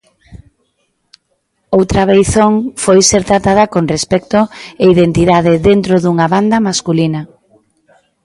Outra beizón foi ser tratada con respecto e identidade dentro dunha banda masculina.